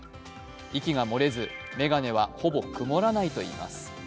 息が漏れず、眼鏡はほぼ曇らないといいます。